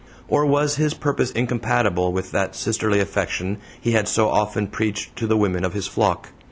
Or was his purpose incompatible with that sisterly affection he had so often preached to the women of his flock?